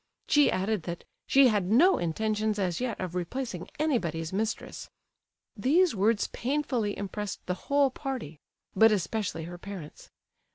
She added that "she had no intentions as yet of replacing anybody's mistress." These words painfully impressed the whole party; but especially her parents.